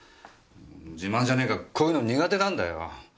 自慢じゃねえがこういうの苦手なんだよ。